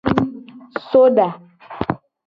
Soda.